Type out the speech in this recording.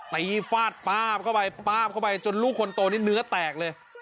ตีฟาดป้าบเข้าไปจนลูกคนโตนี้เนื้อแตกเลย